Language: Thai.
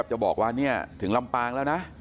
แบบกระจ่าง